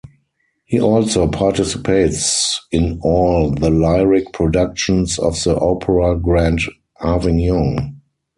He also participates in all the lyric productions of the Opera Grand Avignon.